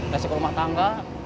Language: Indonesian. kasih ke rumah tangga